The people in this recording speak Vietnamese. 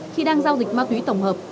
khi đang giao dịch ma túy tổng hợp